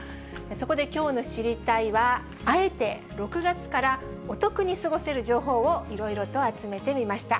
そこで、きょうの知りたいッ！は、あえて６月からお得に過ごせる情報をいろいろと集めてみました。